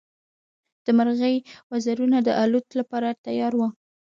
د مرغۍ وزرونه د الوت لپاره تیار وو.